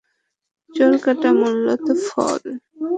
চোরকাঁটা মূলত ফল।